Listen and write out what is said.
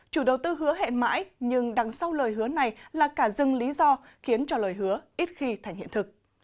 chủ đầu tư hứa hẹn mãi nhưng đằng sau lời hứa này là cả dừng lý do khiến cho lời hứa ít khi thành hiện thực